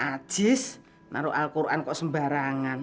aziz naruh al quran kok sembarangan